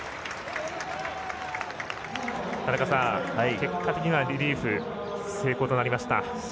田中さん、結果的にはリリーフ成功となりました。